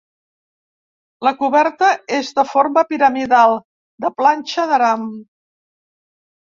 La coberta és de forma piramidal, de planxa d'aram.